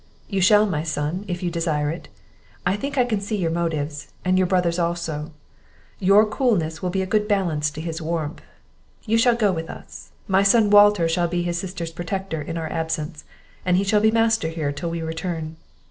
"You shall, my son, if you desire it; I think I can see your motives, and your brother's also; your coolness will be a good balance to his warmth; you shall go with us. My son Walter shall be his sister's protector in our absence, and he shall be master here till we return."